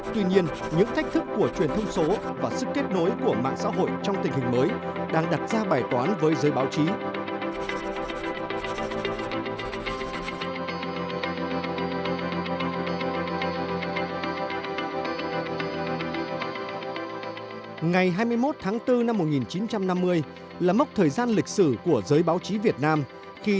tuy nhiên những thách thức của truyền thông số và sức kết nối của mạng xã hội trong tình hình mới đang đặt ra bài toán với giới báo chí